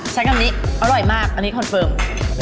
ใช้คำนี้อร่อยมากคอนเฟิร์ม